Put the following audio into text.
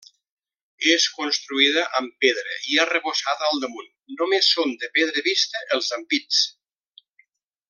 És construïda amb pedra i arrebossada al damunt, només són de pedra vista els ampits.